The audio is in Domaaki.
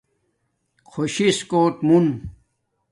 خوش شس کوٹ مون